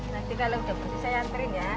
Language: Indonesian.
nanti kalau udah berhenti saya hantarin ya